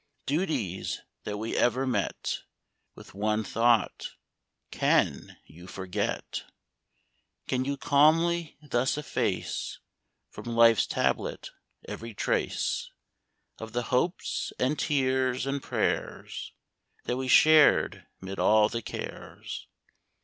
Duties that we ever met With one thought, — can you forget ? Can you calmly thus efface From life's tablet every trace Of the hopes, and tears, and prayers, That we shared 'mid all the cares?